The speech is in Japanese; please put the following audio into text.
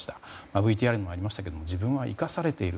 ＶＴＲにもありましたけれども自分は生かされている。